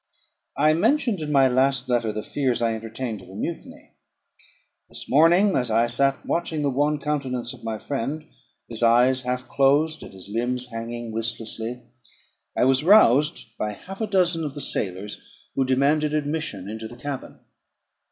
I mentioned in my last letter the fears I entertained of a mutiny. This morning, as I sat watching the wan countenance of my friend his eyes half closed, and his limbs hanging listlessly, I was roused by half a dozen of the sailors, who demanded admission into the cabin.